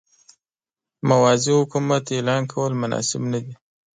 موازي حکومت اعلان کول مناسب نه دي.